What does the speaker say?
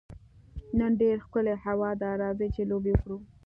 نن ډېره ښکلې هوا ده، راځئ چي لوبي وکړو.